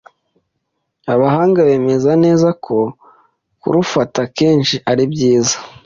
abahanga bemeza neza ko kurufata kenshi ari byiza